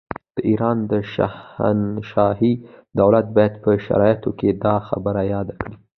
د ایران شاهنشاهي دولت باید په شرایطو کې دا خبره یاده کړي.